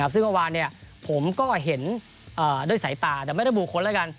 ซึ่งเมื่อวานผมก็เห็นด้วยสายตาแต่ไม่ได้บุคคลแล้วกัน